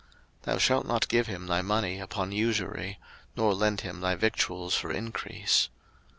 03:025:037 Thou shalt not give him thy money upon usury, nor lend him thy victuals for increase.